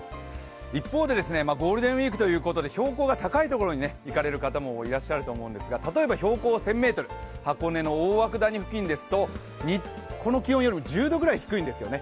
一方でゴールデンウイークということで標高が高い所に行かれる方も多いと思いますが例えば標高１０００ｍ、箱根の大涌谷付近ですとこの気温よりも１０度ぐらい低いんですよね。